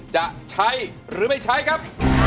จะใช้หรือไม่ใช้ครับ